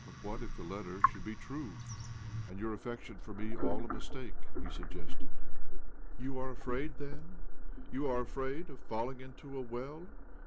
" But what if the letter should be true, and OBLOMOV 191 your affection for me all a mistake?" he suggested. "You are afraid, then? — ^you are afraid of falling into a well?